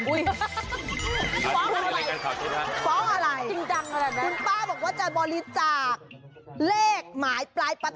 ฟ้องอะไรฟ้องอะไรคุณป้าบอกว่าจะบริจาคเลขหมายปลายประทัด